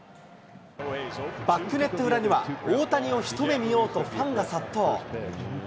バックネット裏には、大谷を一目見ようとファンが殺到。